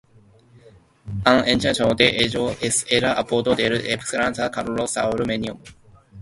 Un ejemplo de ello es el apodo del expresidente Carlos Saúl Menem.